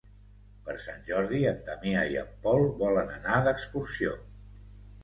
Per Sant Jordi en Damià i en Pol volen anar d'excursió.